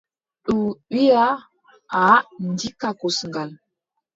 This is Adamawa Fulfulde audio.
Ndu wiiʼa: aaʼa ndikka kosngal.